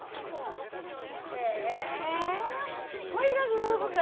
へえこいがグローブか。